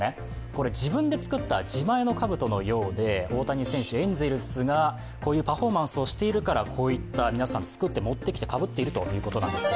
これ、自分で作った自前のかぶとのようで、大谷選手、エンゼルスが、こういうパフォーマンスをしているから、皆さん、作って、持ってきて、かぶっているということなんです。